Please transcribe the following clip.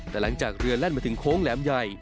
แต่หลังจากเรือแล่นมาถึงโค้งแหลมใหญ่